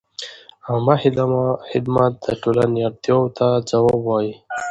عامه خدمت د ټولنې اړتیاوو ته ځواب وايي.